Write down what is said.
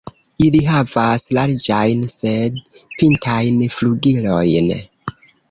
Ili havas larĝajn sed pintajn flugilojn.